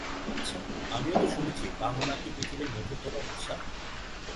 এ পর্যায়ে তিনি কিংবা তার দল কোন সাফল্য পায়নি।